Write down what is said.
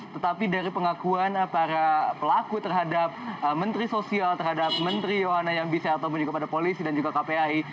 tetapi dari pengakuan para pelaku terhadap menteri sosial terhadap menteri yohana yang bisa ataupun juga pada polisi dan juga kpai